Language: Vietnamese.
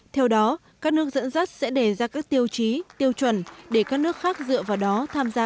theo đó các nước dẫn dắt sẽ đề ra các tiêu chí tiêu chuẩn để các nước khác dựa vào đó tham gia